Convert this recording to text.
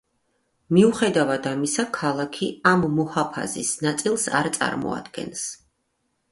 მიუხედავად ამისა, ქალაქი ამ მუჰაფაზის ნაწილს არ წარმოადგენს.